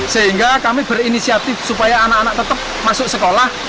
sehingga kami berinisiatif supaya anak anak tetap masuk sekolah